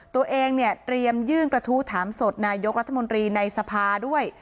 ตัวเองเนี่ยเตรียมยื่นกระทู้ถามสดนายกรัฐมนตรีในสภาด้วย